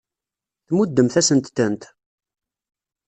Tmuddemt-asent-tent.